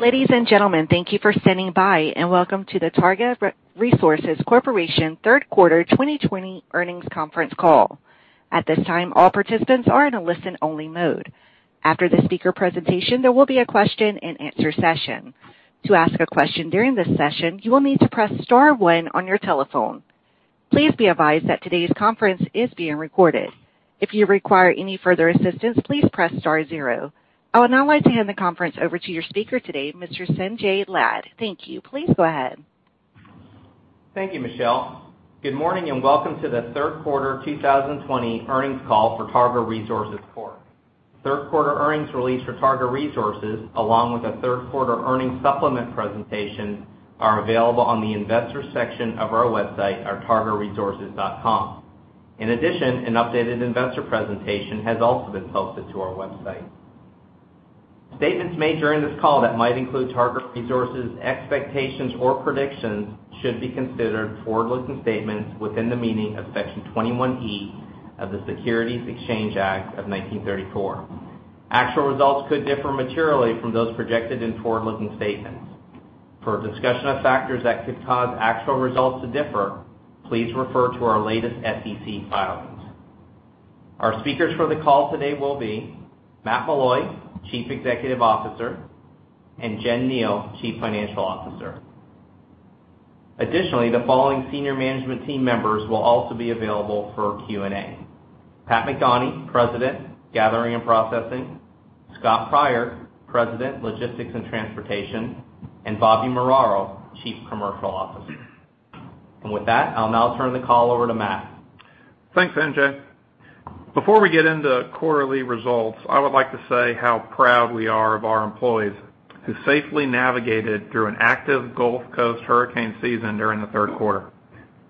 Ladies and gentlemen, thank you for standing by, and welcome to the Targa Resources Corporation. Third Quarter 2020 Earnings Conference Call. At this time, all participants are in a listen-only mode. After the speaker presentation, there will be a question and answer session. To ask a question during this session, you will need to press star one on your telephone. Please be advised that today's conference is being recorded. If you require any further assistance, please press star zero. I would now like to hand the conference over to your speaker today, Mr. Sanjay Lad. Thank you. Please go ahead. Thank you, Michelle. Good morning, and welcome to the third quarter 2020 earnings call for Targa Resources Corp third quarter earnings release for Targa Resources, along with the third quarter earnings supplement presentation, are available on the investor section of our website, at targaresources.com. In addition, an updated investor presentation has also been posted to our website. Statements made during this call that might include Targa Resources expectations or predictions should be considered forward-looking statements within the meaning of Section 21E of the Securities Exchange Act of 1934. Actual results could differ materially from those projected in forward-looking statements. For a discussion of factors that could cause actual results to differ, please refer to our latest SEC filings. Our speakers for the call today will be Matt Meloy, Chief Executive Officer, and Jen Kneale, Chief Financial Officer. Additionally, the following senior management team members will also be available for Q&A: Pat McDonie, President, Gathering and Processing, Scott Pryor, President, Logistics and Transportation, and Bobby Muraro, Chief Commercial Officer. With that, I'll now turn the call over to Matt. Thanks, Sanjay. Before we get into quarterly results, I would like to say how proud we are of our employees who safely navigated through an active Gulf Coast hurricane season during the third quarter.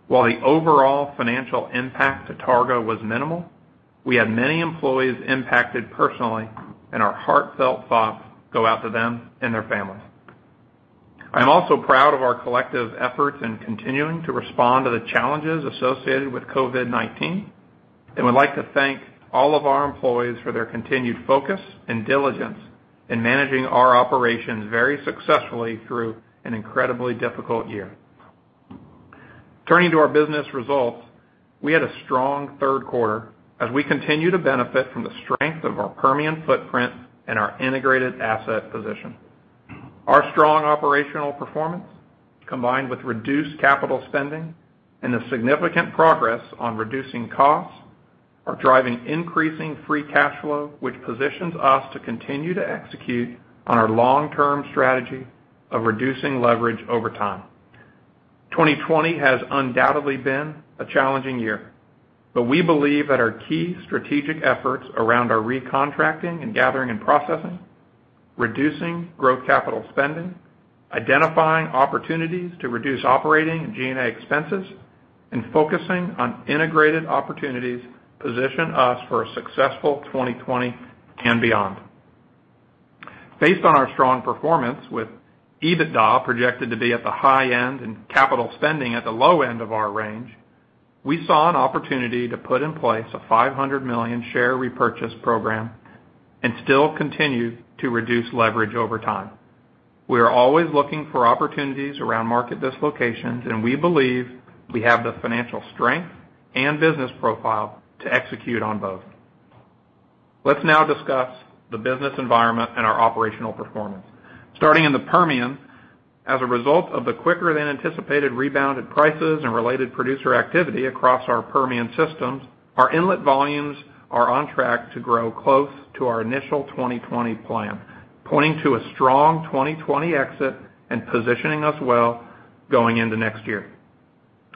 While the overall financial impact to Targa was minimal, we had many employees impacted personally, and our heartfelt thoughts go out to them and their families. I am also proud of our collective efforts in continuing to respond to the challenges associated with COVID-19 and would like to thank all of our employees for their continued focus and diligence in managing our operations very successfully through an incredibly difficult year. Turning to our business results, we had a strong third quarter as we continue to benefit from the strength of our Permian footprint and our integrated asset position. Our strong operational performance, combined with reduced capital spending and the significant progress on reducing costs, are driving increasing free cash flow, which positions us to continue to execute on our long-term strategy of reducing leverage over time. 2020 has undoubtedly been a challenging year. We believe that our key strategic efforts around our recontracting and gathering and processing, reducing growth capital spending, identifying opportunities to reduce operating and G&A expenses, and focusing on integrated opportunities position us for a successful 2020 and beyond. Based on our strong performance with EBITDA projected to be at the high end and capital spending at the low end of our range, we saw an opportunity to put in place a $500 million share repurchase program and still continue to reduce leverage over time. We are always looking for opportunities around market dislocations, and we believe we have the financial strength and business profile to execute on both. Let's now discuss the business environment and our operational performance. Starting in the Permian, as a result of the quicker than anticipated rebounded prices and related producer activity across our Permian systems, our inlet volumes are on track to grow close to our initial 2020 plan, pointing to a strong 2020 exit and positioning us well going into next year.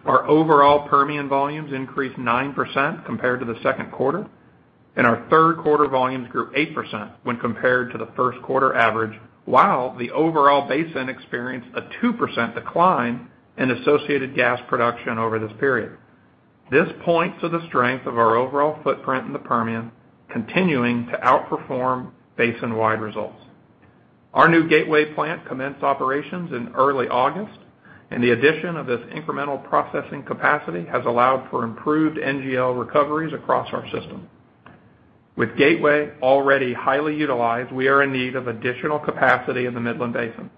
Our overall Permian volumes increased 9% compared to the second quarter, and our third quarter volumes grew 8% when compared to the first quarter average, while the overall basin experienced a 2% decline in associated gas production over this period. This points to the strength of our overall footprint in the Permian continuing to outperform basin-wide results. Our new Gateway plant commenced operations in early August. The addition of this incremental processing capacity has allowed for improved NGL recoveries across our system. With Gateway already highly utilized, we are in need of additional capacity in the Midland Basin.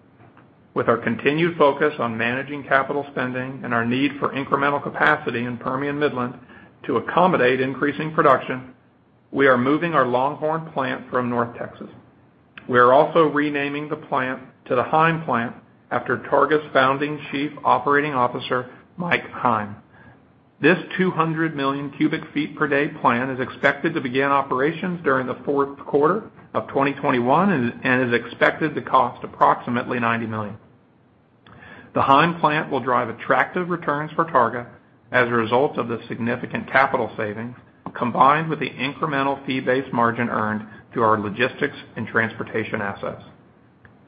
With our continued focus on managing capital spending and our need for incremental capacity in Permian Midland to accommodate increasing production, we are moving our Longhorn plant from North Texas. We are also renaming the plant to the Heim Plant after Targa's founding Chief Operating Officer, Mike Heim. This 200 million cubic feet per day plant is expected to begin operations during the fourth quarter of 2021 and is expected to cost approximately $90 million. The Heim Plant will drive attractive returns for Targa as a result of the significant capital savings, combined with the incremental fee-based margin earned through our Logistics and Transportation assets.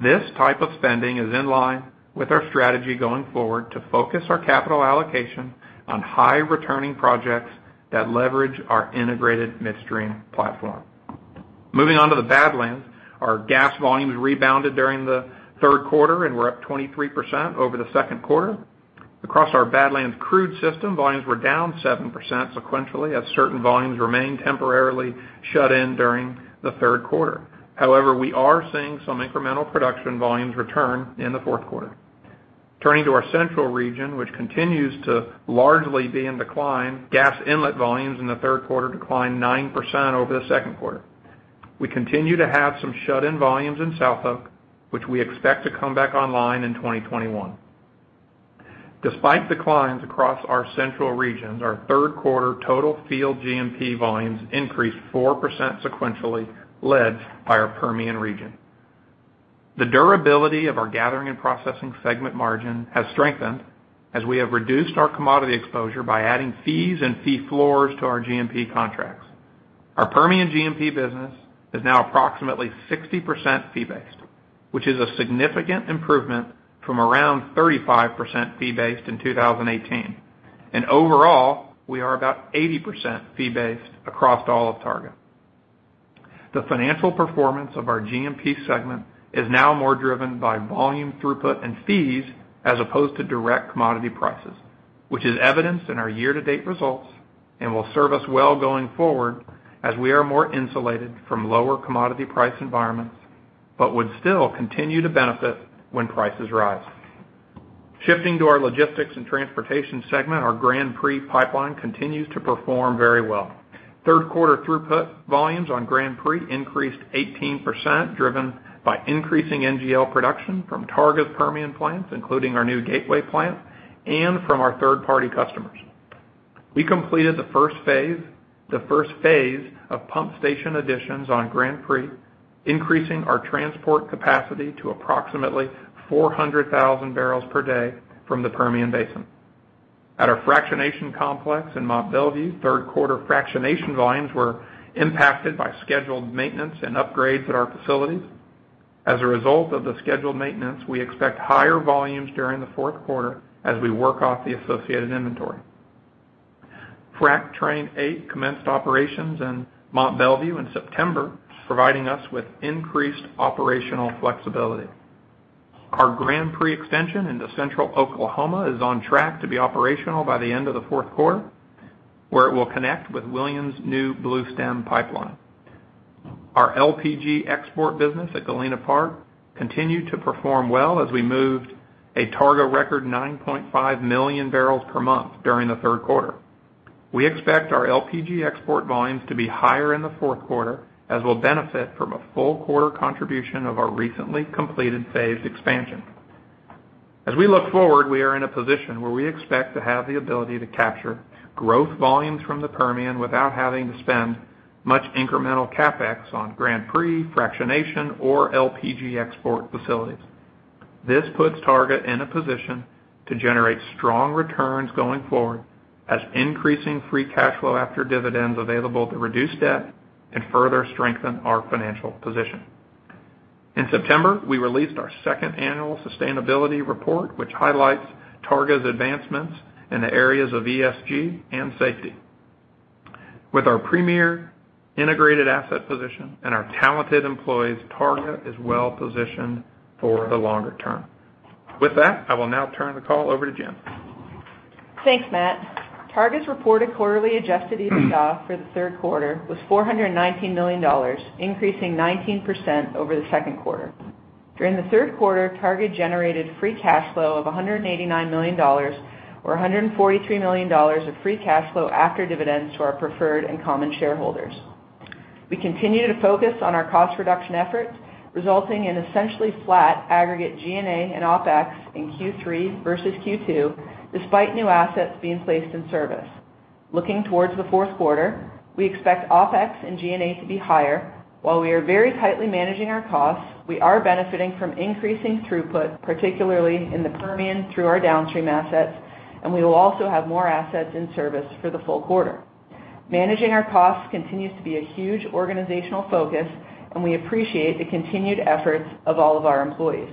This type of spending is in line with our strategy going forward to focus our capital allocation on high-returning projects that leverage our integrated midstream platform. Moving on to the Badlands. Our gas volumes rebounded during the third quarter, and we're up 23% over the second quarter. Across our Badlands crude system, volumes were down 7% sequentially as certain volumes remained temporarily shut in during the third quarter. However, we are seeing some incremental production volumes return in the fourth quarter. Turning to our central region, which continues to largely be in decline, gas inlet volumes in the third quarter declined 9% over the second quarter. We continue to have some shut-in volumes in SouthOK, which we expect to come back online in 2021. Despite declines across our central regions, our third quarter total field G&P volumes increased 4% sequentially, led by our Permian region. The durability of our Gathering and Processing segment margin has strengthened as we have reduced our commodity exposure by adding fees and fee floors to our G&P contracts. Our Permian G&P business is now approximately 60% fee-based, which is a significant improvement from around 35% fee-based in 2018. Overall, we are about 80% fee-based across all of Targa. The financial performance of our G&P segment is now more driven by volume throughput and fees as opposed to direct commodity prices, which is evidenced in our year-to-date results and will serve us well going forward as we are more insulated from lower commodity price environments, but would still continue to benefit when prices rise. Shifting to our Logistics and Transportation segment, our Grand Prix pipeline continues to perform very well. Third quarter throughput volumes on Grand Prix increased 18%, driven by increasing NGL production from Targa's Permian plants, including our new Gateway plant, and from our third-party customers. We completed the first phase of pump station additions on Grand Prix, increasing our transport capacity to approximately 400,000 bpd from the Permian basin. At our fractionation complex in Mont Belvieu, third quarter fractionation volumes were impacted by scheduled maintenance and upgrades at our facilities. As a result of the scheduled maintenance, we expect higher volumes during the fourth quarter as we work off the associated inventory. Frac Train 8 commenced operations in Mont Belvieu in September, providing us with increased operational flexibility. Our Grand Prix extension into Central Oklahoma is on track to be operational by the end of the fourth quarter, where it will connect with Williams' new Bluestem Pipeline. Our LPG export business at Galena Park continued to perform well as we moved a Targa record 9.5 million barrels per month during the third quarter. We expect our LPG export volumes to be higher in the fourth quarter as we'll benefit from a full quarter contribution of our recently completed phased expansion. As we look forward, we are in a position where we expect to have the ability to capture growth volumes from the Permian without having to spend much incremental CapEx on Grand Prix, fractionation, or LPG export facilities. This puts Targa in a position to generate strong returns going forward as increasing free cash flow after dividends available to reduce debt and further strengthen our financial position. In September, we released our second annual sustainability report, which highlights Targa's advancements in the areas of ESG and safety. With our premier integrated asset position and our talented employees, Targa is well positioned for the longer term. With that, I will now turn the call over to Jen. Thanks, Matt. Targa's reported quarterly adjusted EBITDA for the third quarter was $419 million, increasing 19% over the second quarter. During the third quarter, Targa generated free cash flow of $189 million or $143 million of free cash flow after dividends to our preferred and common shareholders. We continue to focus on our cost reduction efforts, resulting in essentially flat aggregate G&A and OpEx in Q3 versus Q2, despite new assets being placed in service. Looking towards the fourth quarter, we expect OpEx and G&A to be higher. While we are very tightly managing our costs, we are benefiting from increasing throughput, particularly in the Permian through our downstream assets, and we will also have more assets in service for the full quarter. Managing our costs continues to be a huge organizational focus, and we appreciate the continued efforts of all of our employees.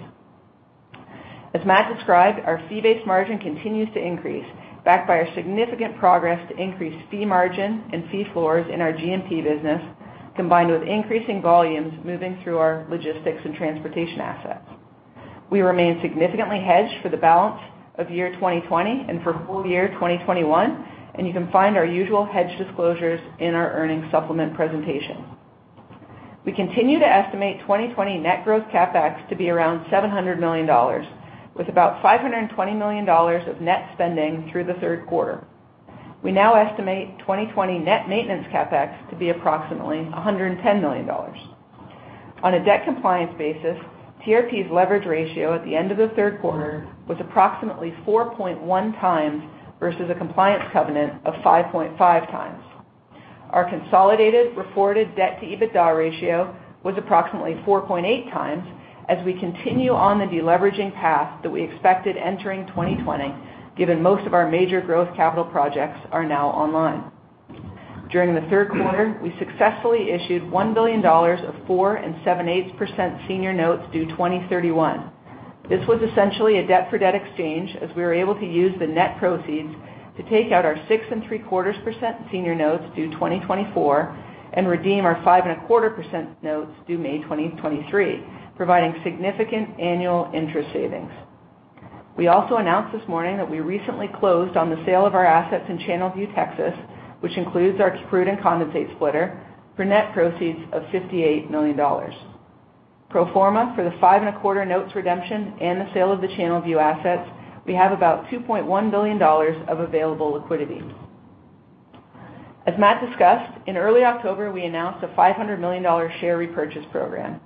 As Matt described, our fee-based margin continues to increase, backed by our significant progress to increase fee margin and fee floors in our G&P business, combined with increasing volumes moving through our Logistics and Transportation assets. We remain significantly hedged for the balance of year 2020 and for full year 2021, and you can find our usual hedge disclosures in our earnings supplement presentation. We continue to estimate 2020 net growth CapEx to be around $700 million, with about $520 million of net spending through the third quarter. We now estimate 2020 net maintenance CapEx to be approximately $110 million. On a debt compliance basis, TRGP's leverage ratio at the end of the third quarter was approximately 4.1 times versus a compliance covenant of 5.5 times. Our consolidated reported debt to EBITDA ratio was approximately 4.8 times as we continue on the deleveraging path that we expected entering 2020, given most of our major growth capital projects are now online. During the third quarter, we successfully issued $1 billion of 4.875% senior notes due 2031. This was essentially a debt for debt exchange as we were able to use the net proceeds to take out our 6.75% senior notes due 2024 and redeem our 5.25% notes due May 2023, providing significant annual interest savings. We also announced this morning that we recently closed on the sale of our assets in Channelview, Texas, which includes our crude and condensate splitter for net proceeds of $58 million. Pro forma for the 5.25% notes redemption and the sale of the Channelview assets, we have about $2.1 billion of available liquidity. As Matt discussed, in early October, we announced a $500 million share repurchase program.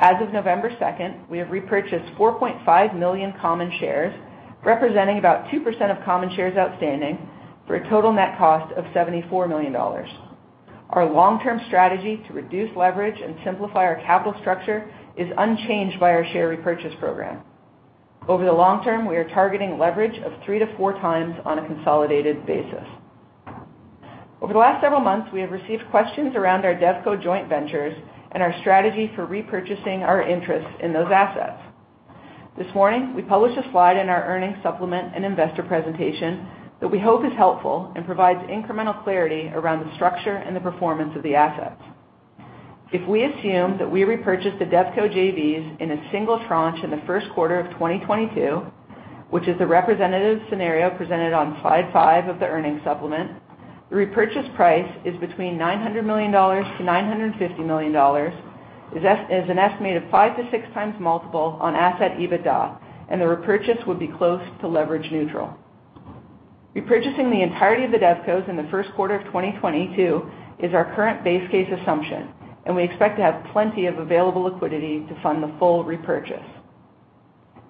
As of November 2nd, we have repurchased 4.5 million common shares, representing about 2% of common shares outstanding for a total net cost of $74 million. Our long-term strategy to reduce leverage and simplify our capital structure is unchanged by our share repurchase program. Over the long term, we are targeting leverage of three to four times on a consolidated basis. Over the last several months, we have received questions around our DevCo joint ventures and our strategy for repurchasing our interest in those assets. This morning, we published a slide in our earnings supplement and investor presentation that we hope is helpful and provides incremental clarity around the structure and the performance of the assets. If we assume that we repurchase the DevCo JVs in a single tranche in the first quarter of 2022, which is the representative scenario presented on slide five of the earnings supplement, the repurchase price is between $900 million-$950 million, is an estimated 5 to 6 times multiple on asset EBITDA, and the repurchase would be close to leverage neutral. Repurchasing the entirety of the DevCos in the first quarter of 2022 is our current base case assumption, and we expect to have plenty of available liquidity to fund the full repurchase.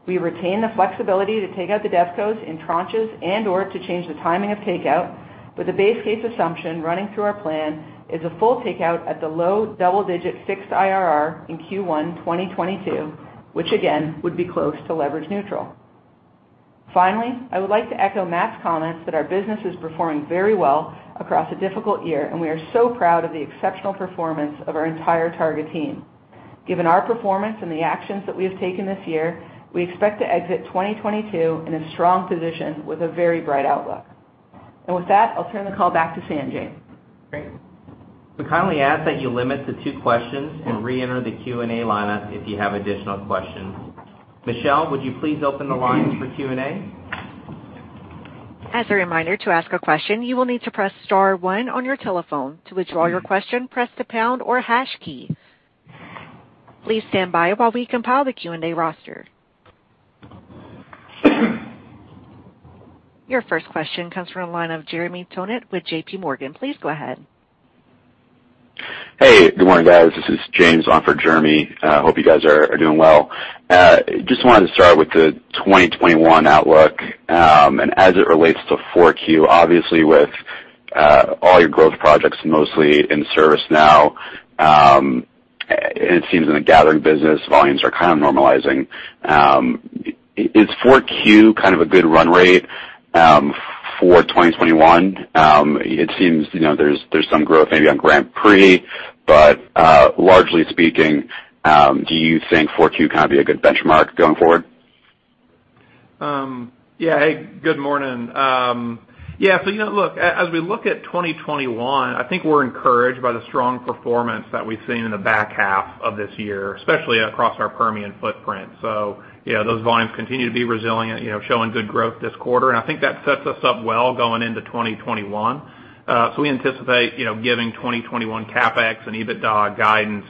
We retain the flexibility to take out the DevCos in tranches and/or to change the timing of takeout, with the base case assumption running through our plan is a full takeout at the low double-digit fixed IRR in Q1 2022, which again, would be close to leverage neutral. Finally, I would like to echo Matt's comments that our business is performing very well across a difficult year. We are so proud of the exceptional performance of our entire Targa team. Given our performance and the actions that we have taken this year, we expect to exit 2022 in a strong position with a very bright outlook. With that, I'll turn the call back to Sanjay. Great. We kindly ask that you limit to two questions and reenter the Q&A lineup if you have additional questions. Michelle, would you please open the line for Q&A? As a reminder, to ask a question, you will need to press star one on your telephone. To withdraw your question, press the pound or hash key. Please stand by while we compile the Q&A roster. Your first question comes from the line of Jeremy Tonet with JPMorgan. Please go ahead. Hey, good morning, guys. This is James on for Jeremy. Hope you guys are doing well. Just wanted to start with the 2021 outlook. As it relates to 4Q, obviously with all your growth projects mostly in service now, it seems in the gathering business, volumes are kind of normalizing. Is 4Q kind of a good run rate for 2021? It seems there's some growth maybe on Grand Prix, but largely speaking, do you think 4Q can be a good benchmark going forward? Hey, good morning. As we look at 2021, I think we're encouraged by the strong performance that we've seen in the back half of this year, especially across our Permian footprint. Those volumes continue to be resilient, showing good growth this quarter, and I think that sets us up well going into 2021. We anticipate giving 2021 CapEx and EBITDA guidance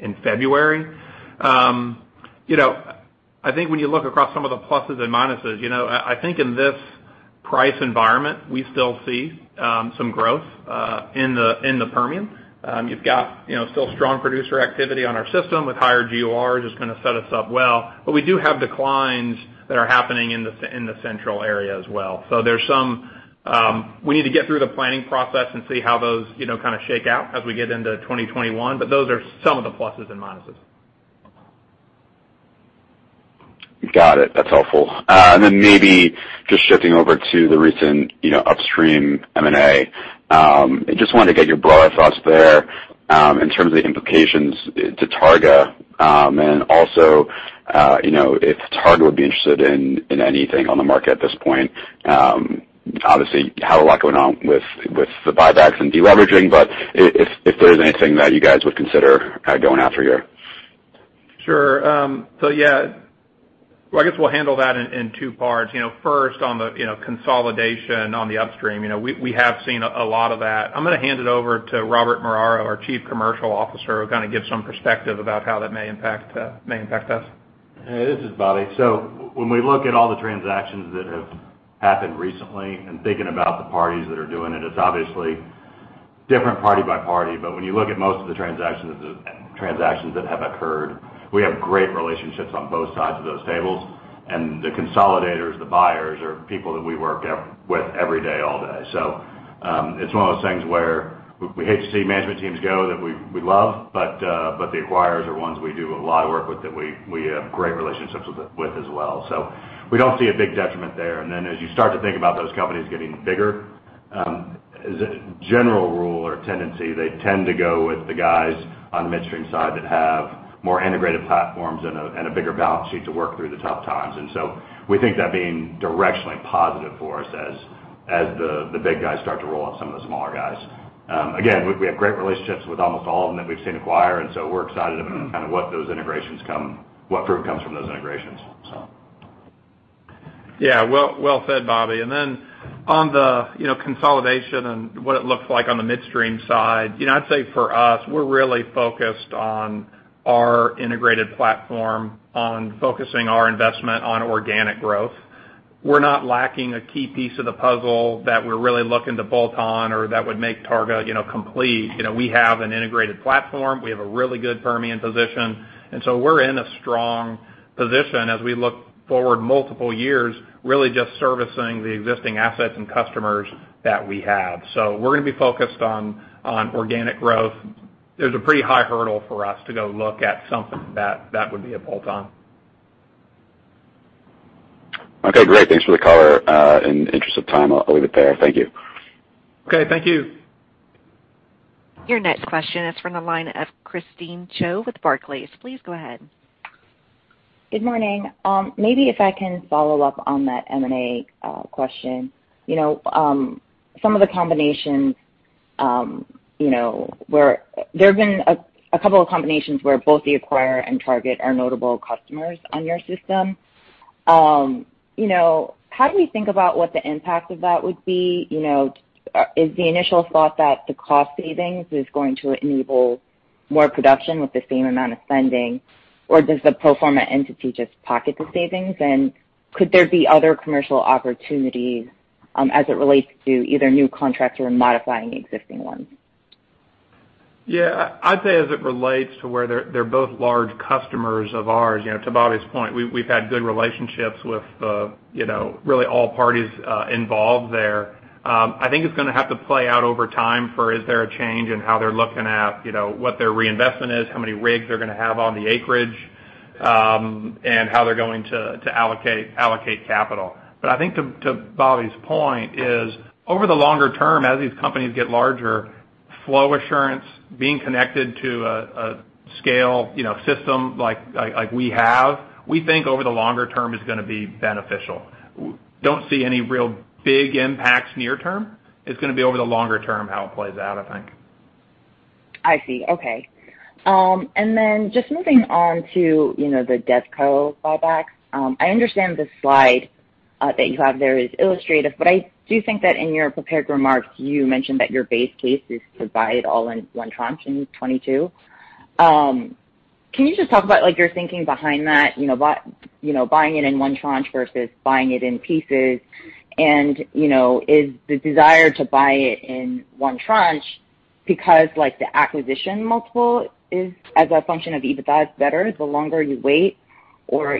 in February. I think when you look across some of the pluses and minuses, I think in this price environment, we still see some growth in the Permian. You've got still strong producer activity on our system with higher GORs is going to set us up well. We do have declines that are happening in the central area as well. We need to get through the planning process and see how those kind of shake out as we get into 2021. Those are some of the pluses and minuses. Got it. That's helpful. Maybe just shifting over to the recent upstream M&A. I just wanted to get your broader thoughts there in terms of the implications to Targa. If Targa would be interested in anything on the market at this point. Obviously, you have a lot going on with the buybacks and de-leveraging, but if there's anything that you guys would consider going after here. Sure. Yeah, I guess we'll handle that in two parts. First on the consolidation on the upstream. I'm going to hand it over to Robert Muraro, our Chief Commercial Officer, who will kind of give some perspective about how that may impact us. Hey, this is Bobby. When we look at all the transactions that have happened recently and thinking about the parties that are doing it's obviously different party by party. When you look at most of the transactions that have occurred, we have great relationships on both sides of those tables, and the consolidators, the buyers are people that we work with every day, all day. It's one of those things where we hate to see management teams go that we love, but the acquirers are ones we do a lot of work with that we have great relationships with as well. We don't see a big detriment there. As you start to think about those companies getting bigger As a general rule or tendency, they tend to go with the guys on the midstream side that have more integrated platforms and a bigger balance sheet to work through the tough times. We think that being directionally positive for us as the big guys start to roll up some of the smaller guys. Again, we have great relationships with almost all of them that we've seen acquire, we're excited about kind of what fruit comes from those integrations. Yeah. Well said, Bobby. On the consolidation and what it looks like on the midstream side, I'd say for us, we're really focused on our integrated platform, on focusing our investment on organic growth. We're not lacking a key piece of the puzzle that we're really looking to bolt on, or that would make Targa complete. We have an integrated platform. We have a really good Permian position, we're in a strong position as we look forward multiple years, really just servicing the existing assets and customers that we have. We're going to be focused on organic growth. There's a pretty high hurdle for us to go look at something that would be a bolt-on. Okay, great. Thanks for the color. In interest of time, I'll leave it there. Thank you. Okay, thank you. Your next question is from the line of Christine Cho with Barclays. Please go ahead. Good morning. Maybe if I can follow up on that M&A question. There've been a couple of combinations where both the acquirer and target are notable customers on your system. How do we think about what the impact of that would be? Is the initial thought that the cost savings is going to enable more production with the same amount of spending, or does the pro forma entity just pocket the savings? Could there be other commercial opportunities as it relates to either new contracts or modifying existing ones? Yeah. I'd say as it relates to where they're both large customers of ours, to Bobby's point, we've had good relationships with really all parties involved there. I think it's going to have to play out over time for, is there a change in how they're looking at what their reinvestment is, how many rigs they're going to have on the acreage, and how they're going to allocate capital. I think to Bobby's point is, over the longer term, as these companies get larger, flow assurance, being connected to a scale system like we have, we think over the longer term is going to be beneficial. Don't see any real big impacts near term. It's going to be over the longer term how it plays out, I think. I see. Okay. Just moving on to the DevCo fallback. I understand the slide that you have there is illustrative, but I do think that in your prepared remarks, you mentioned that your base case is to buy it all in one tranche in 2022. Can you just talk about your thinking behind that, buying it in one tranche versus buying it in pieces? Is the desire to buy it in one tranche because, the acquisition multiple is, as a function of EBITDA, is better the longer you wait, or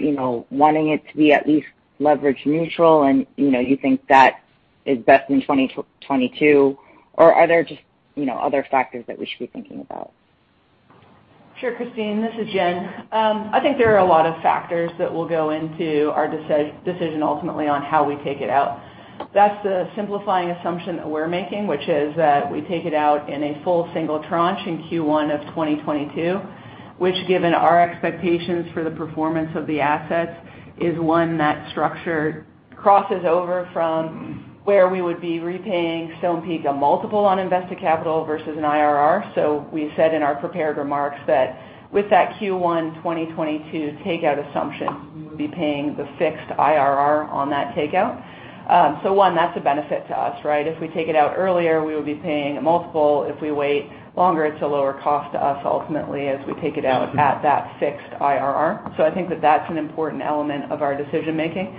wanting it to be at least leverage neutral and you think that is best in 2022, or are there just other factors that we should be thinking about? Sure, Christine. This is Jen. I think there are a lot of factors that will go into our decision ultimately on how we take it out. That's the simplifying assumption that we're making, which is that we take it out in a full single tranche in Q1 of 2022, which given our expectations for the performance of the assets, is one that structure crosses over from where we would be repaying Stonepeak a multiple on invested capital versus an IRR. We said in our prepared remarks that with that Q1 2022 takeout assumption, we would be paying the fixed IRR on that takeout. One, that's a benefit to us, right? If we take it out earlier, we would be paying a multiple. If we wait longer, it's a lower cost to us ultimately as we take it out at that fixed IRR. I think that that's an important element of our decision making.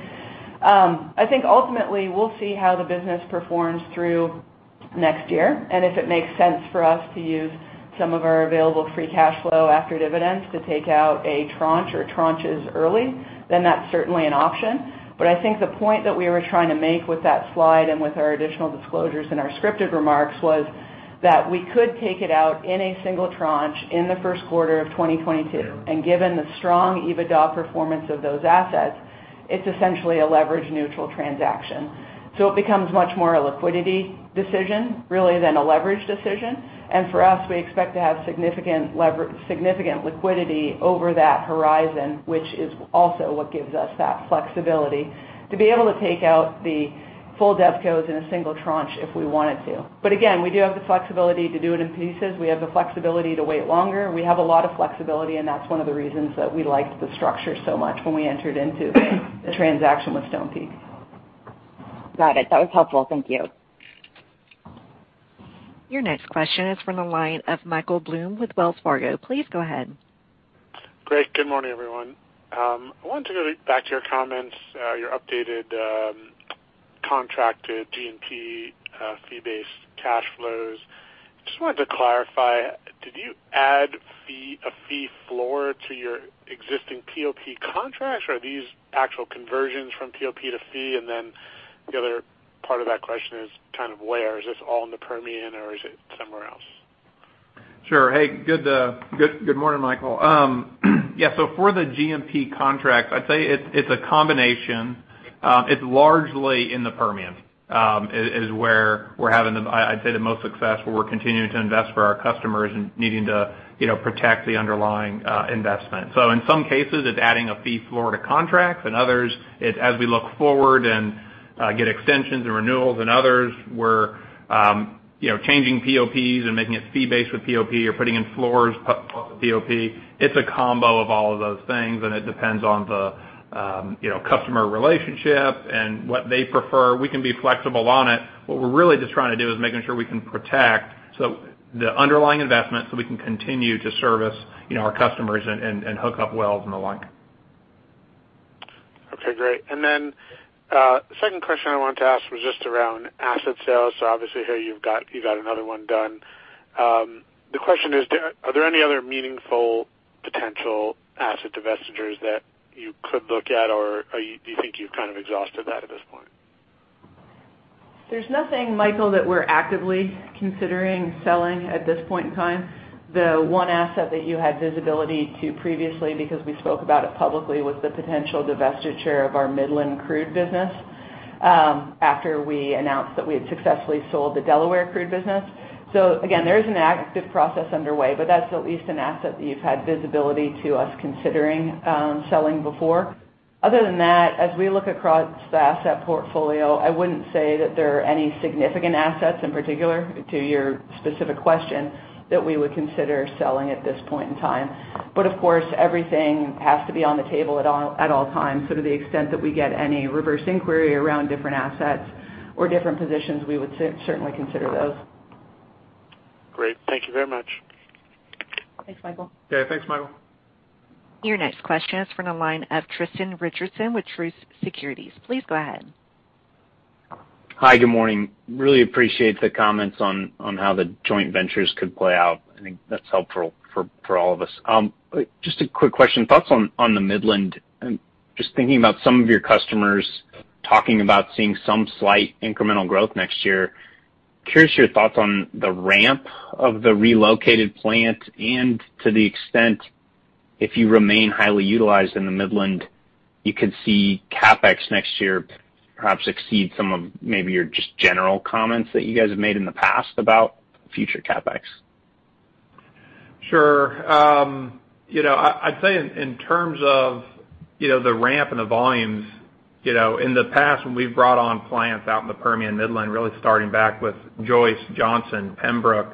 I think ultimately we'll see how the business performs through next year, and if it makes sense for us to use some of our available free cash flow after dividends to take out a tranche or tranches early, then that's certainly an option. I think the point that we were trying to make with that slide and with our additional disclosures in our scripted remarks was that we could take it out in a single tranche in the first quarter of 2022. Given the strong EBITDA performance of those assets, it's essentially a leverage neutral transaction. It becomes much more a liquidity decision, really, than a leverage decision. For us, we expect to have significant liquidity over that horizon, which is also what gives us that flexibility to be able to take out the full DevCos in a single tranche if we wanted to. Again, we do have the flexibility to do it in pieces. We have the flexibility to wait longer. We have a lot of flexibility, and that's one of the reasons that we liked the structure so much when we entered into the transaction with Stonepeak. Got it. That was helpful. Thank you. Your next question is from the line of Michael Blum with Wells Fargo. Please go ahead. Great. Good morning, everyone. I wanted to go back to your comments, your updated contracted G&P fee-based cash flows. Just wanted to clarify, did you add a fee floor to your existing POP contracts, or are these actual conversions from POP to fee? The other part of that question is kind of where. Is this all in the Permian or is it somewhere else? Sure. Hey, good morning, Michael. Yeah, for the G&P contract, I'd say it's a combination. It's largely in the Permian, is where we're having, I'd say, the most success, where we're continuing to invest for our customers and needing to protect the underlying investment. In some cases, it's adding a fee floor to contracts, and others, as we look forward and get extensions and renewals, and others we're changing POPs and making it fee-based with POP or putting in floors for POP. It's a combo of all of those things, and it depends on the customer relationship and what they prefer. We can be flexible on it. What we're really just trying to do is making sure we can protect the underlying investment so we can continue to service our customers and hook up wells and the like. Okay, great. Second question I wanted to ask was just around asset sales. Obviously here you've got another one done. The question is, are there any other meaningful potential asset divestitures that you could look at, or do you think you've kind of exhausted that at this point? There's nothing, Michael, that we're actively considering selling at this point in time. The one asset that you had visibility to previously, because we spoke about it publicly, was the potential divestiture of our Midland crude business. After we announced that we had successfully sold the Delaware crude business. Again, there is an active process underway, but that's at least an asset that you've had visibility to us considering selling before. Other than that, as we look across the asset portfolio, I wouldn't say that there are any significant assets in particular to your specific question that we would consider selling at this point in time. Of course, everything has to be on the table at all times. To the extent that we get any reverse inquiry around different assets or different positions, we would certainly consider those. Great. Thank you very much. Thanks, Michael. Yeah. Thanks, Michael. Your next question is from the line of Tristan Richardson with Truist Securities. Please go ahead. Hi. Good morning. Really appreciate the comments on how the joint ventures could play out. I think that is helpful for all of us. Just a quick question. Thoughts on the Midland, just thinking about some of your customers talking about seeing some slight incremental growth next year. Curious your thoughts on the ramp of the relocated plant and to the extent if you remain highly utilized in the Midland, you could see CapEx next year perhaps exceed some of maybe your just general comments that you guys have made in the past about future CapEx. Sure. I'd say in terms of the ramp and the volumes, in the past when we've brought on plants out in the Permian Midland, really starting back with Joyce, Johnson, Pembrook,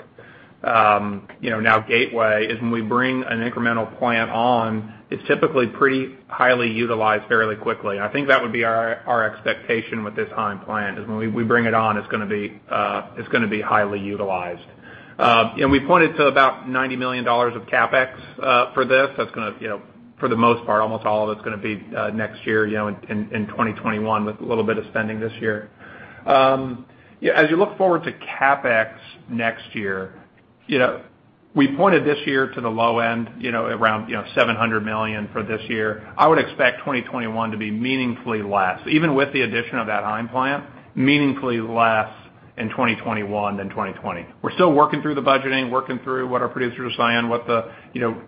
now Gateway, is when we bring an incremental plant on, it's typically pretty highly utilized fairly quickly. I think that would be our expectation with this Heim Plant is when we bring it on, it's going to be highly utilized. We pointed to about $90 million of CapEx for this. That's going to, for the most part, almost all of it's going to be next year, in 2021, with a little bit of spending this year. As you look forward to CapEx next year, we pointed this year to the low end, around $700 million for this year. I would expect 2021 to be meaningfully less, even with the addition of that Heim Plant, meaningfully less in 2021 than 2020. We're still working through the budgeting, working through what our producers are saying, what the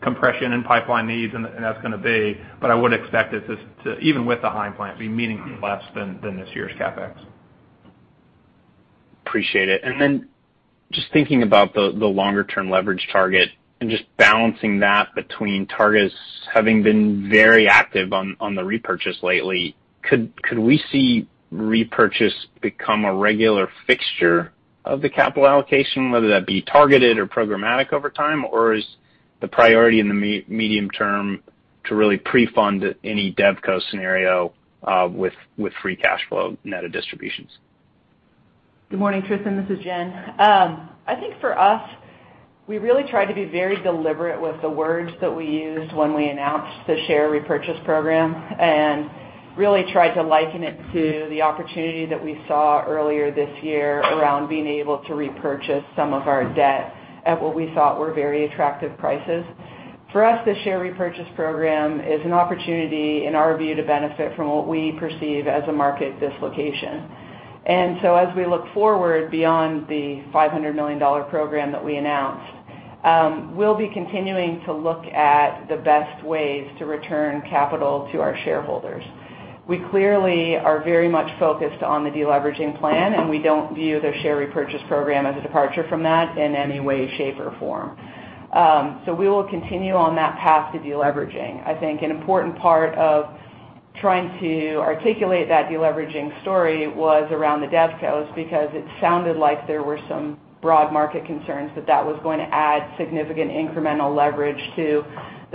compression and pipeline needs, but I would expect it to, even with the Heim Plant, be meaningfully less than this year's CapEx. Appreciate it. Just thinking about the longer-term leverage target and just balancing that between Targa's having been very active on the repurchase lately, could we see repurchase become a regular fixture of the capital allocation, whether that be targeted or programmatic over time, or is the priority in the medium term to really pre-fund any DevCo scenario with free cash flow net of distributions? Good morning, Tristan, this is Jen. I think for us, we really tried to be very deliberate with the words that we used when we announced the share repurchase program and really tried to liken it to the opportunity that we saw earlier this year around being able to repurchase some of our debt at what we thought were very attractive prices. For us, the share repurchase program is an opportunity, in our view, to benefit from what we perceive as a market dislocation. As we look forward beyond the $500 million program that we announced, we'll be continuing to look at the best ways to return capital to our shareholders. We clearly are very much focused on the de-leveraging plan, and we don't view the share repurchase program as a departure from that in any way, shape, or form. We will continue on that path to de-leveraging. I think an important part of trying to articulate that de-leveraging story was around the DevCos, because it sounded like there were some broad market concerns that that was going to add significant incremental leverage to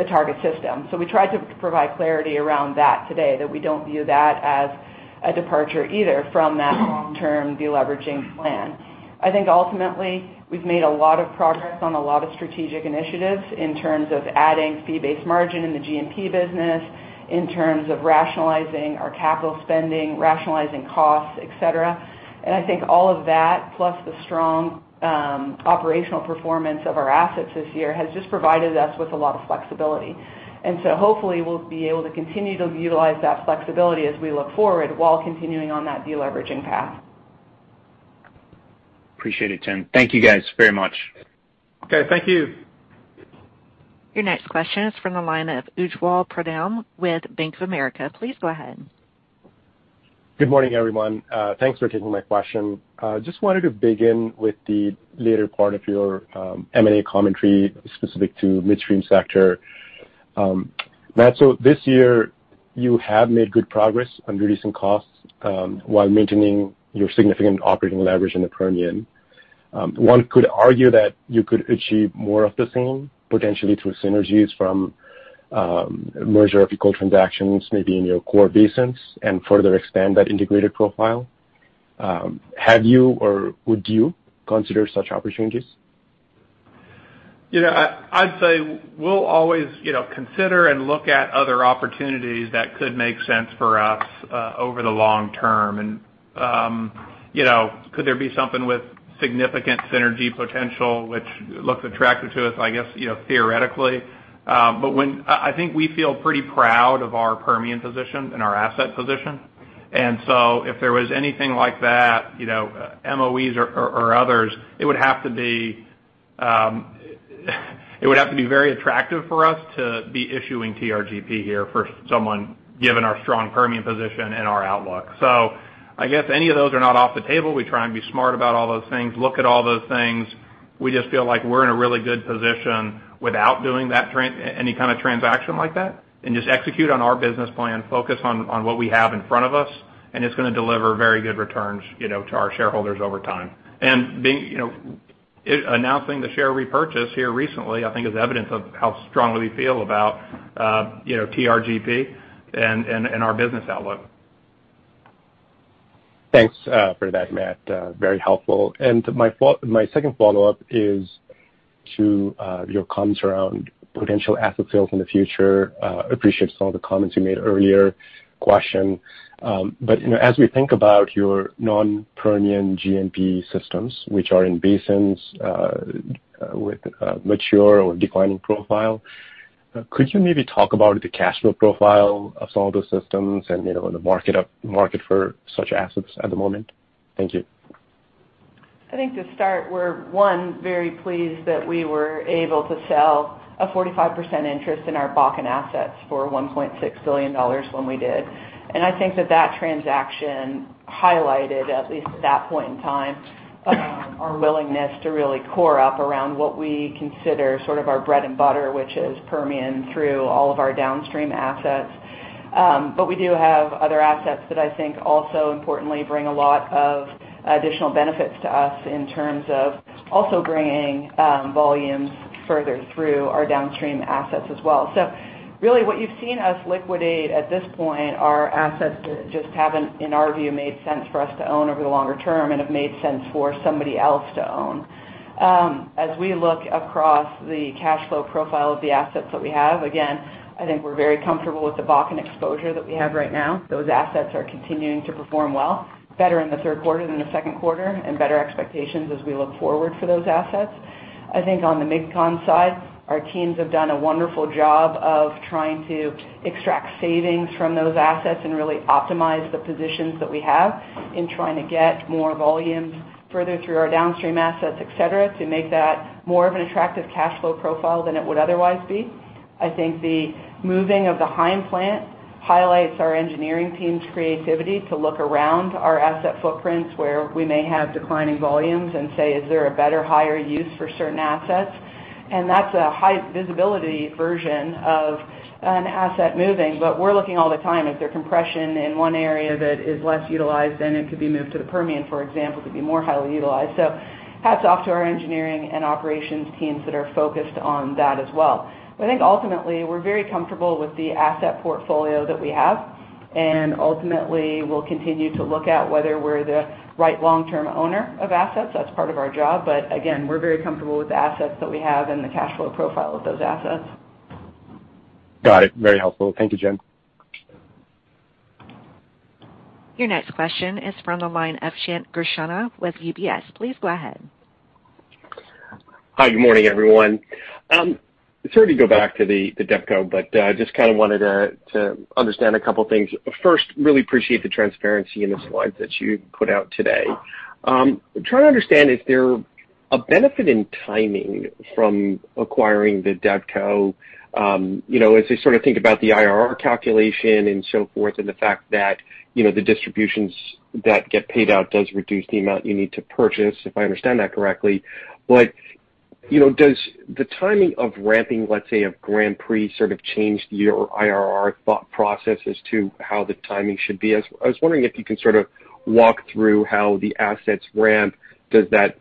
the Targa system. We tried to provide clarity around that today, that we don't view that as a departure either from that long-term de-leveraging plan. I think ultimately, we've made a lot of progress on a lot of strategic initiatives in terms of adding fee-based margin in the G&P business, in terms of rationalizing our capital spending, rationalizing costs, et cetera. I think all of that, plus the strong operational performance of our assets this year, has just provided us with a lot of flexibility. Hopefully we'll be able to continue to utilize that flexibility as we look forward while continuing on that de-leveraging path. Appreciate it, Jen. Thank you guys very much. Okay, thank you. Your next question is from the line of Ujjwal Pradhan with Bank of America. Please go ahead. Good morning, everyone. Thanks for taking my question. Just wanted to begin with the later part of your M&A commentary specific to midstream sector. Matt, this year you have made good progress on reducing costs, while maintaining your significant operating leverage in the Permian. One could argue that you could achieve more of the same, potentially through synergies from merger of equals transactions, maybe in your core basins, and further expand that integrated profile. Have you or would you consider such opportunities? I'd say we'll always consider and look at other opportunities that could make sense for us over the long term. Could there be something with significant synergy potential which looks attractive to us? I guess, theoretically. I think we feel pretty proud of our Permian position and our asset position. If there was anything like that, MOEs or others, it would have to be very attractive for us to be issuing TRGP here for someone, given our strong Permian position and our outlook. I guess any of those are not off the table. We try and be smart about all those things, look at all those things. We just feel like we're in a really good position without doing any kind of transaction like that, and just execute on our business plan, focus on what we have in front of us, and it's going to deliver very good returns to our shareholders over time. Announcing the share repurchase here recently, I think is evidence of how strongly we feel about TRGP and our business outlook. Thanks for that, Matt. Very helpful. My second follow-up is to your comments around potential asset sales in the future. Appreciate some of the comments you made earlier question. As we think about your non-Permian G&P systems, which are in basins with mature or declining profile, could you maybe talk about the cash flow profile of some of those systems and the market for such assets at the moment? Thank you. I think to start, we're one, very pleased that we were able to sell a 45% interest in our Bakken assets for $1.6 billion when we did. I think that that transaction highlighted, at least at that point in time, our willingness to really core up around what we consider sort of our bread and butter, which is Permian, through all of our downstream assets. We do have other assets that I think also importantly bring a lot of additional benefits to us in terms of also bringing volumes further through our downstream assets as well. Really what you've seen us liquidate at this point are assets that just haven't, in our view, made sense for us to own over the longer term and have made sense for somebody else to own. As we look across the cash flow profile of the assets that we have, again, I think we're very comfortable with the Bakken exposure that we have right now. Those assets are continuing to perform well, better in the third quarter than the second quarter, and better expectations as we look forward for those assets. I think on the MidCon side, our teams have done a wonderful job of trying to extract savings from those assets and really optimize the positions that we have in trying to get more volumes further through our downstream assets, et cetera, to make that more of an attractive cash flow profile than it would otherwise be. I think the moving of the Heim Plant highlights our engineering team's creativity to look around our asset footprints where we may have declining volumes and say, "Is there a better, higher use for certain assets?" That's a high visibility version of an asset moving. We're looking all the time, is there compression in one area that is less utilized than it could be moved to the Permian, for example, to be more highly utilized. Hats off to our engineering and operations teams that are focused on that as well. I think ultimately, we're very comfortable with the asset portfolio that we have. Ultimately, we'll continue to look at whether we're the right long-term owner of assets. That's part of our job. Again, we're very comfortable with the assets that we have and the cash flow profile of those assets. Got it. Very helpful. Thank you, Jen. Your next question is from the line of Shneur Gershuni with UBS. Please go ahead. Hi. Good morning, everyone. Sorry to go back to the DevCo, just kind of wanted to understand a couple of things. First, really appreciate the transparency in the slides that you put out today. I'm trying to understand if there a benefit in timing from acquiring the DevCo. As I sort of think about the IRR calculation and so forth, and the fact that the distributions that get paid out does reduce the amount you need to purchase, if I understand that correctly. Does the timing of ramping, let's say, of Grand Prix sort of change your IRR thought process as to how the timing should be? I was wondering if you can sort of walk through how the assets ramp. Does that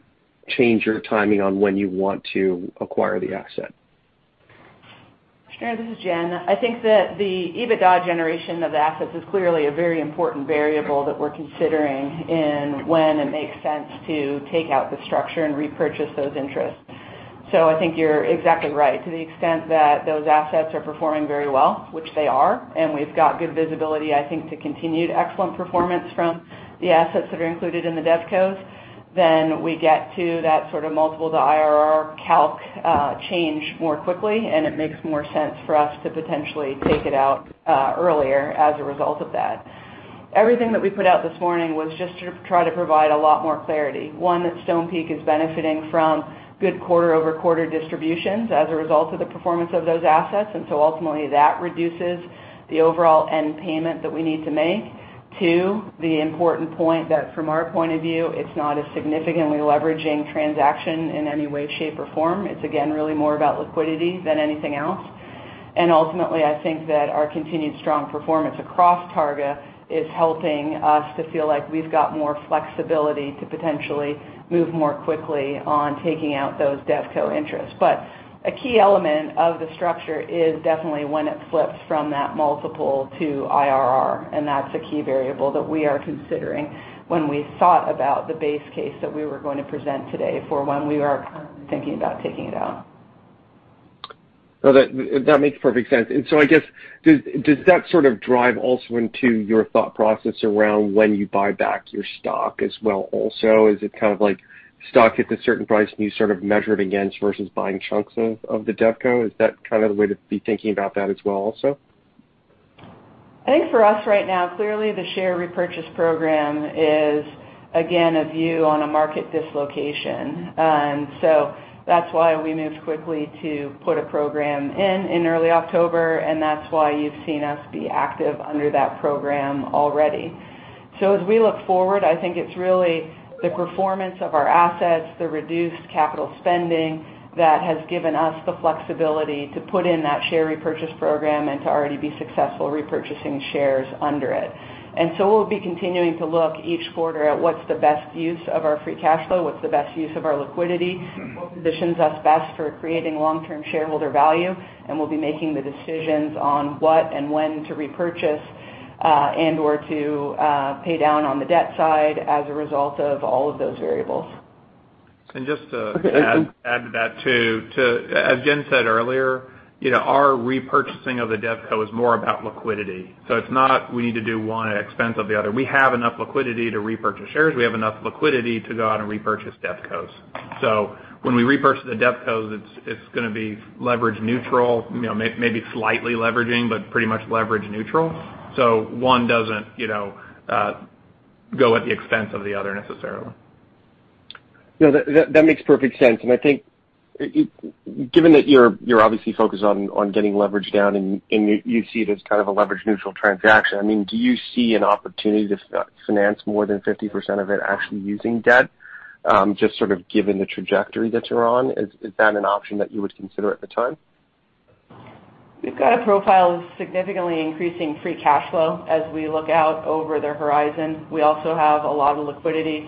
change your timing on when you want to acquire the asset? Sure. This is Jen. I think that the EBITDA generation of assets is clearly a very important variable that we're considering in when it makes sense to take out the structure and repurchase those interests. I think you're exactly right. To the extent that those assets are performing very well, which they are, and we've got good visibility, I think, to continued excellent performance from the assets that are included in the DevCo. We get to that multiple to IRR calc change more quickly, and it makes more sense for us to potentially take it out earlier as a result of that. Everything that we put out this morning was just to try to provide a lot more clarity. One, that Stonepeak is benefiting from good quarter-over-quarter distributions as a result of the performance of those assets. Ultimately, that reduces the overall end payment that we need to make. Two, the important point that from our point of view, it's not a significantly leveraging transaction in any way, shape, or form. It's again, really more about liquidity than anything else. Ultimately, I think that our continued strong performance across Targa is helping us to feel like we've got more flexibility to potentially move more quickly on taking out those DevCo interests. A key element of the structure is definitely when it flips from that multiple to IRR, and that's a key variable that we are considering when we thought about the base case that we were going to present today for when we are currently thinking about taking it out. No, that makes perfect sense. I guess, does that sort of drive also into your thought process around when you buy back your stock as well also? Is it kind of like stock at a certain price, and you sort of measure it against versus buying chunks of the DevCo? Is that kind of the way to be thinking about that as well also? I think for us right now, clearly the share repurchase program is, again, a view on a market dislocation. That's why we moved quickly to put a program in in early October, and that's why you've seen us be active under that program already. As we look forward, I think it's really the performance of our assets, the reduced capital spending that has given us the flexibility to put in that share repurchase program and to already be successful repurchasing shares under it. We'll be continuing to look each quarter at what's the best use of our free cash flow, what's the best use of our liquidity. What positions us best for creating long-term shareholder value. We'll be making the decisions on what and when to repurchase, and/or to pay down on the debt side as a result of all of those variables. Just to add to that, too. As Jen said earlier, our repurchasing of the DevCo is more about liquidity. It's not we need to do one at expense of the other. We have enough liquidity to repurchase shares. We have enough liquidity to go out and repurchase DevCos. When we repurchase the DevCos, it's going to be leverage neutral, maybe slightly leveraging, but pretty much leverage neutral. One doesn't go at the expense of the other necessarily. No, that makes perfect sense. I think, given that you're obviously focused on getting leverage down and you see it as kind of a leverage neutral transaction, I mean, do you see an opportunity to finance more than 50% of it actually using debt? Just sort of given the trajectory that you're on, is that an option that you would consider at the time? We've got a profile of significantly increasing free cash flow as we look out over the horizon. We also have a lot of liquidity.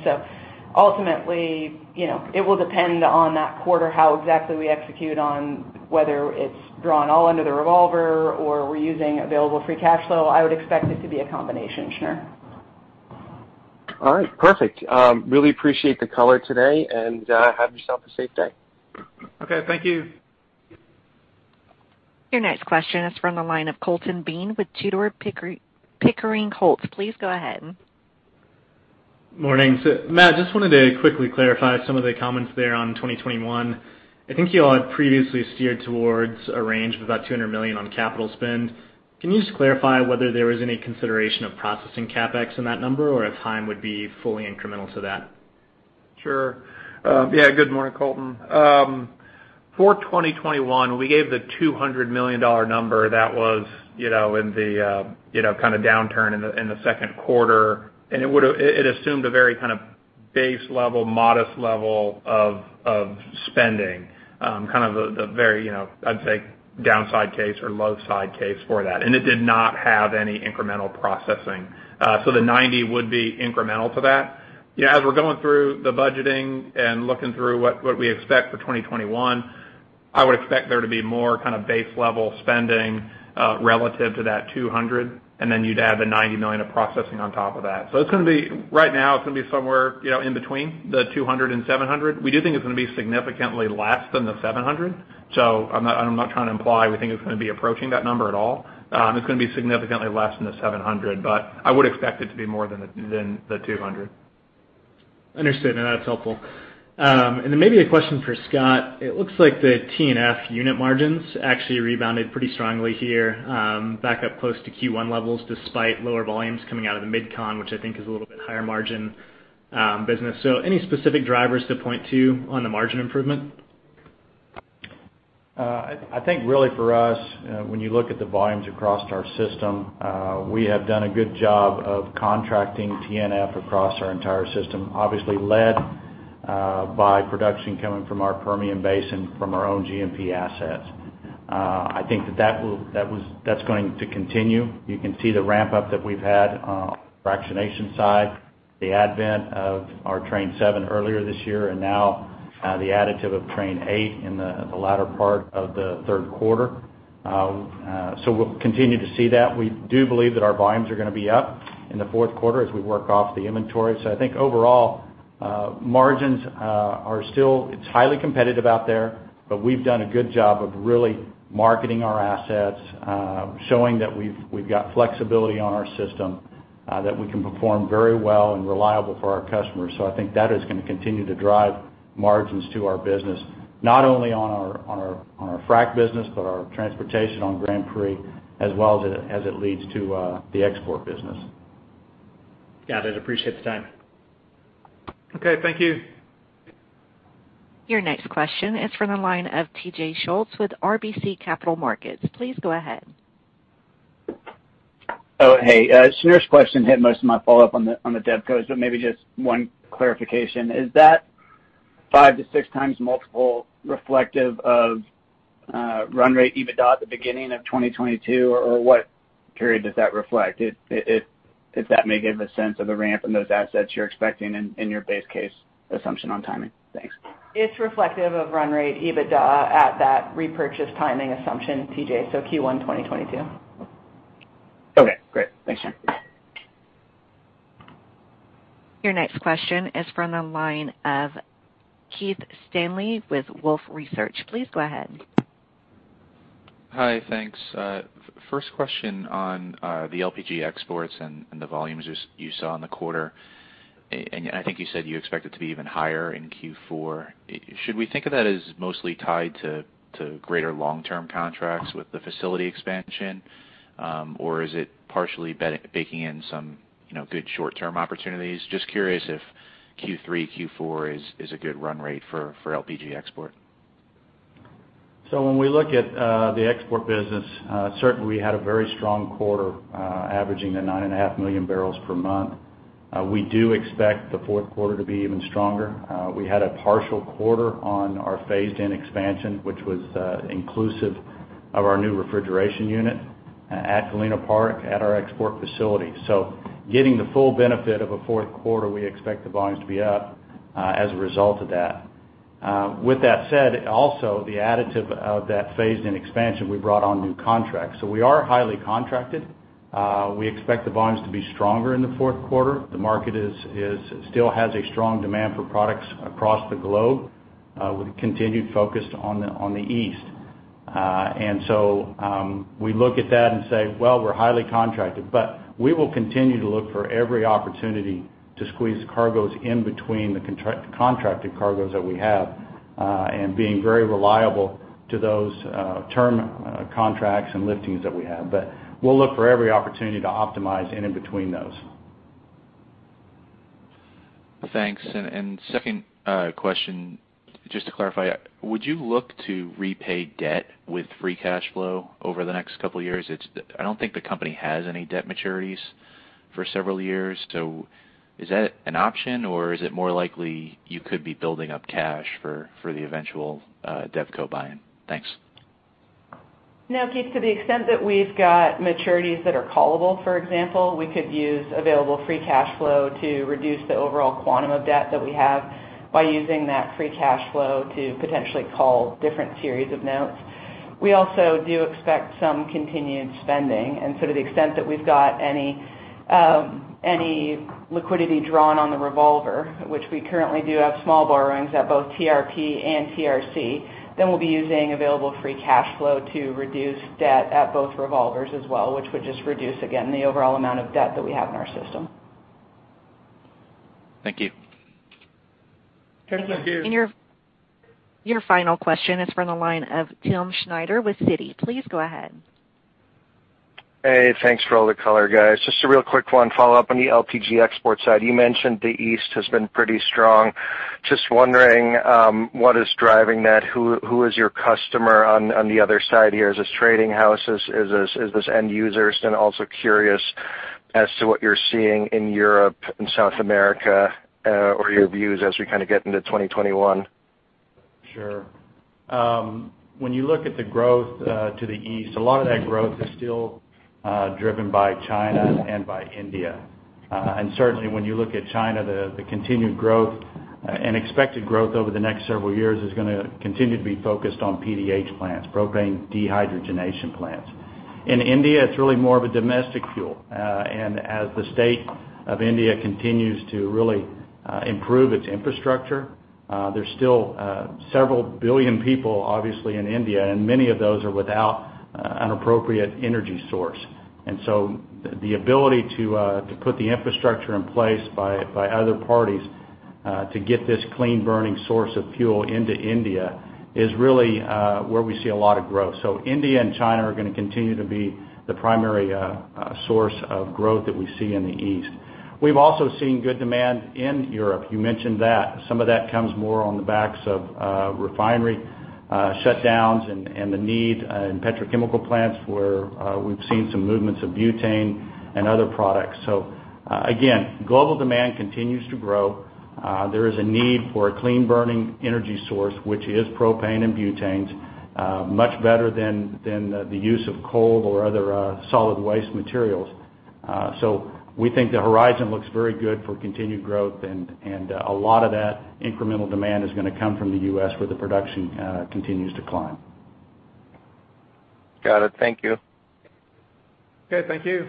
Ultimately, it will depend on that quarter how exactly we execute on whether it's drawn all under the revolver or we're using available free cash flow. I would expect it to be a combination, sure. All right. Perfect. Really appreciate the color today, and have yourself a safe day. Okay, thank you. Your next question is from the line of Colton Bean with Tudor, Pickering, Holt. Please go ahead. Morning. Matt, just wanted to quickly clarify some of the comments there on 2021. I think you all had previously steered towards a range of about $200 million on capital spend. Can you just clarify whether there was any consideration of processing CapEx in that number or if Train 8 would be fully incremental to that? Sure. Yeah, good morning, Colton. For 2021, we gave the $200 million number that was in the kind of downturn in the second quarter. It assumed a very kind of base level, modest level of spending. Kind of the very, I'd say downside case or low side case for that. It did not have any incremental processing. The 90 would be incremental to that. As we're going through the budgeting and looking through what we expect for 2021, I would expect there to be more kind of base level spending relative to that $200. You'd add the $90 million of processing on top of that. Right now, it's going to be somewhere in between the $200 and $700. We do think it's going to be significantly less than the $700. I'm not trying to imply we think it's going to be approaching that number at all. It's going to be significantly less than the 700, but I would expect it to be more than the 200. Understood, that's helpful. Maybe a question for Scott. It looks like the L&T unit margins actually rebounded pretty strongly here, back up close to Q1 levels, despite lower volumes coming out of the MidCon, which I think is a little bit higher margin business. Any specific drivers to point to on the margin improvement? I think really for us, when you look at the volumes across our system, we have done a good job of contracting L&T across our entire system, obviously led by production coming from our Permian Basin from our own G&P assets. I think that's going to continue. You can see the ramp-up that we've had on the fractionation side, the advent of our Train 7 earlier this year, and now the additive of Train 8 in the latter part of the third quarter. We'll continue to see that. We do believe that our volumes are going to be up in the fourth quarter as we work off the inventory. I think overall, margins are still, it's highly competitive out there, but we've done a good job of really marketing our assets, showing that we've got flexibility on our system, that we can perform very well and reliable for our customers. I think that is going to continue to drive margins to our business, not only on our frac business, but our transportation on Grand Prix, as well as it leads to the export business. Got it. Appreciate the time. Okay, thank you. Your next question is from the line of TJ Schultz with RBC Capital Markets. Please go ahead. Oh, hey. Shneur's question hit most of my follow-up on the DevCo, maybe just one clarification. Is that five to six times multiple reflective of run rate EBITDA at the beginning of 2022? Or what period does that reflect, if that may give a sense of the ramp in those assets you're expecting in your base case assumption on timing? Thanks. It's reflective of run rate EBITDA at that repurchase timing assumption, TJ. Q1 2022. Okay, great. Thanks, Jen. Your next question is from the line of Keith Stanley with Wolfe Research. Please go ahead. Hi. Thanks. First question on the LPG exports and the volumes you saw in the quarter. I think you said you expect it to be even higher in Q4. Should we think of that as mostly tied to greater long-term contracts with the facility expansion? Is it partially baking in some good short-term opportunities? Just curious if Q3, Q4 is a good run rate for LPG export. When we look at the export business, certainly we had a very strong quarter, averaging the 9.5 million barrels per month. We do expect the fourth quarter to be even stronger. We had a partial quarter on our phased-in expansion, which was inclusive of our new refrigeration unit at Galena Park at our export facility. Getting the full benefit of a fourth quarter, we expect the volumes to be up as a result of that. With that said, also the additive of that phased-in expansion, we brought on new contracts. We are highly contracted. We expect the volumes to be stronger in the fourth quarter. The market still has a strong demand for products across the globe, with a continued focus on the East. We look at that and say, well, we're highly contracted, but we will continue to look for every opportunity to squeeze cargoes in between the contracted cargoes that we have, and being very reliable to those term contracts and liftings that we have. We'll look for every opportunity to optimize in between those. Thanks. second question, just to clarify, would you look to repay debt with free cash flow over the next couple of years? I don't think the company has any debt maturities for several years. is that an option, or is it more likely you could be building up cash for the eventual DevCo buy-in? Thanks. No, Keith, to the extent that we've got maturities that are callable, for example, we could use available free cash flow to reduce the overall quantum of debt that we have by using that free cash flow to potentially call different series of notes. We also do expect some continued spending. To the extent that we've got any liquidity drawn on the revolver, which we currently do have small borrowings at both TRP and TRC, then we'll be using available free cash flow to reduce debt at both revolvers as well, which would just reduce, again, the overall amount of debt that we have in our system. Thank you. Okay, thank you. Your final question is from the line of Timm Schneider with Citi. Please go ahead. Hey, thanks for all the color, guys. Just a real quick one follow-up on the LPG export side. You mentioned the East has been pretty strong. Just wondering what is driving that. Who is your customer on the other side here? Is this trading houses? Is this end users? Also curious as to what you're seeing in Europe and South America, or your views as we kind of get into 2021? Sure. When you look at the growth to the East, a lot of that growth is still driven by China and by India. Certainly, when you look at China, the continued growth and expected growth over the next several years is going to continue to be focused on PDH plants, propane dehydrogenation plants. In India, it's really more of a domestic fuel. As the state of India continues to really improve its infrastructure, there's still several billion people, obviously, in India, and many of those are without an appropriate energy source. The ability to put the infrastructure in place by other parties to get this clean burning source of fuel into India is really where we see a lot of growth. India and China are going to continue to be the primary source of growth that we see in the East. We've also seen good demand in Europe. You mentioned that. Some of that comes more on the backs of refinery shutdowns and the need in petrochemical plants, where we've seen some movements of butane and other products. Again, global demand continues to grow. There is a need for a clean-burning energy source, which is propane and butanes, much better than the use of coal or other solid waste materials. We think the horizon looks very good for continued growth, and a lot of that incremental demand is going to come from the U.S., where the production continues to climb. Got it. Thank you. Okay, thank you.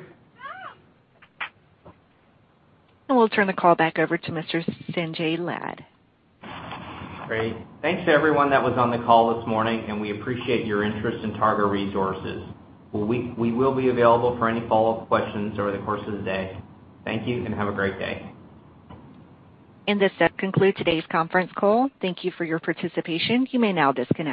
We'll turn the call back over to Mr. Sanjay Lad. Great. Thanks to everyone that was on the call this morning, and we appreciate your interest in Targa Resources. We will be available for any follow-up questions over the course of the day. Thank you, and have a great day. This does conclude today's conference call. Thank you for your participation. You may now disconnect.